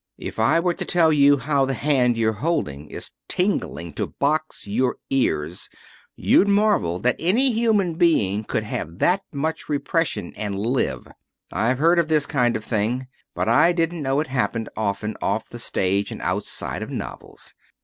If I were to tell you how the hand you're holding is tingling to box your ears you'd marvel that any human being could have that much repression and live. I've heard of this kind of thing, but I didn't know it happened often off the stage and outside of novels.